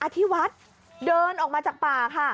ที่วัดเดินออกมาจากป่าค่ะ